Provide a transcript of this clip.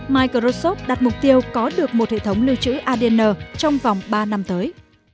microsoft đặt mục tiêu có được một hệ thống lưu trữ adn trong vòng ba năm tới